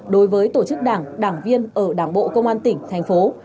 đối với tổ chức đảng đảng viên ở đảng bộ công an tỉnh thành phố